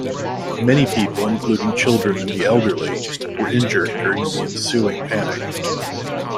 Many people, including children and the elderly, were injured during the ensuing panic.